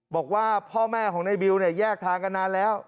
บอกว่าพ่อแม่ของในบิวเนี่ยแยกทางกันนานแล้ว